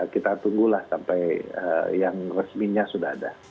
kita tunggulah sampai yang resminya sudah ada